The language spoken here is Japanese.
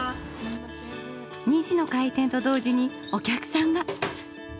２時の開店と同時にお客さんが！